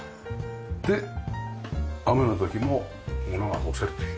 で雨の時もものが干せるというね。